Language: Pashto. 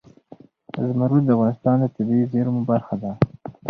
زمرد د افغانستان د طبیعي زیرمو برخه ده.